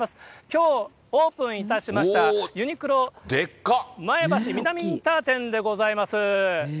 きょうオープンいたしました、ユニクロ前橋南インター店でございます。